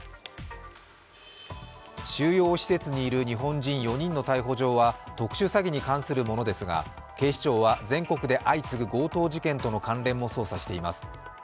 収容施設にいる日本人４人の逮捕状は特殊詐欺に関するものですが警視庁は全国で相次ぐ強盗事件との関連も捜査しています。